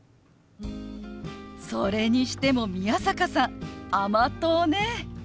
それにしても宮坂さん甘党ね。